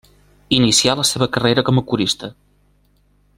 Inicià la seva carrera com a corista.